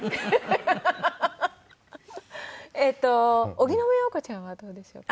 荻野目洋子ちゃんはどうでしょうか？